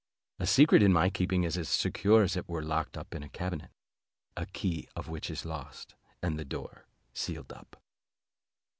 A secret in my keeping is as secure as if it were locked up in a cabinet, the key of which is lost, and the door sealed up."